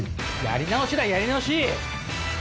やり直しだやり直し！